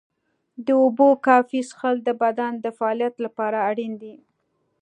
د اوبو کافي څښل د بدن د فعالیت لپاره اړین دي.